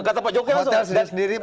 hotel sendiri makan sendiri